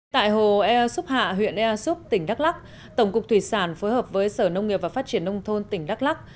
tại hồ e xúc hạ huyện ea súp tỉnh đắk lắc tổng cục thủy sản phối hợp với sở nông nghiệp và phát triển nông thôn tỉnh đắk lắc